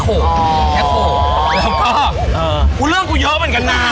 กูเริ่มกูเยอะเหมือนกันน่า